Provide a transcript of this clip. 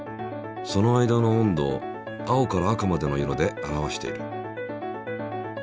その間の温度を青から赤までの色で表している。